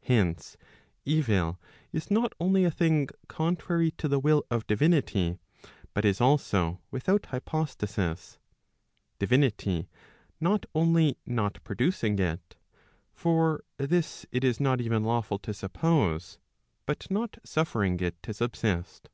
Hence evil is not only a thing contrary to the will of divinity, but is also without hypostasis, divinity not only not producing it (for this it is not even lawful to suppose) but not suffering it to subsist.